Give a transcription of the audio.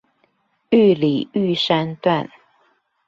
玉里玉山段